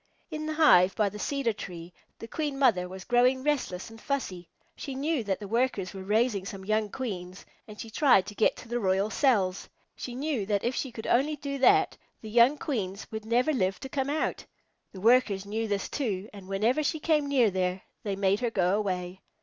In the hive by the cedar tree, the Queen Mother was growing restless and fussy. She knew that the Workers were raising some young Queens, and she tried to get to the royal cells. She knew that if she could only do that, the young Queens would never live to come out. The Workers knew this, too, and whenever she came near there, they made her go away.